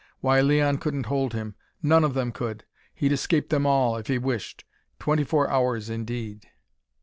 Why, Leon couldn't hold him! None of them could. He'd escape them all if he wished. Twenty four hours, indeed!